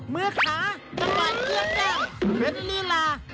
มือขาจังหวัดเกือบแก้มเม็ดลีลา